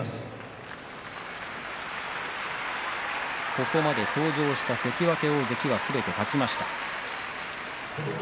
ここまで登場した関脇大関はすべて勝ちました。